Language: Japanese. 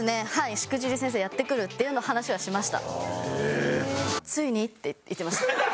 『しくじり先生』やってくるっていう話はしました。